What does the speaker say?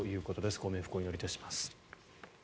ご冥福をお祈りいたします。